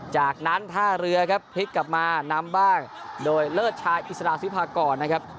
จากนั้นท่าเรือครับพลิกกลับมานำบ้างโดยเลิศชายอิสราฟิพากรนะครับ